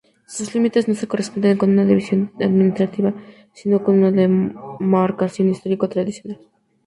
Sus límites no se corresponden con una división administrativa, sino con una demarcación histórico-tradicional.